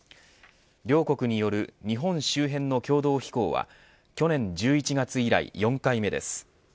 両国による日本周辺の共同飛行は去年１１月以来４回目です。